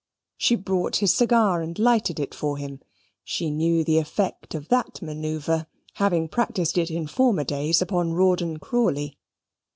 She brought his cigar and lighted it for him; she knew the effect of that manoeuvre, having practised it in former days upon Rawdon Crawley.